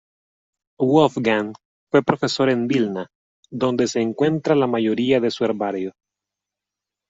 Wolfgang fue profesor en Vilna, donde se encuentra la mayoría de su herbario.